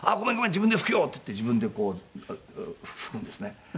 自分で拭くよ」って言って自分でこう拭くんですね